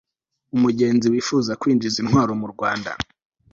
umugenzi wifuza kwinjiza intwaro mu rwanda